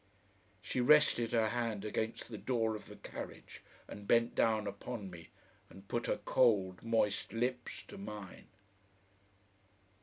She rested her hand against the door of the carriage and bent down upon me, and put her cold, moist lips to mine.